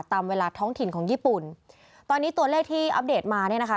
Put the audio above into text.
ตามเวลาท้องถิ่นของญี่ปุ่นตอนนี้ตัวเลขที่อัปเดตมาเนี่ยนะคะ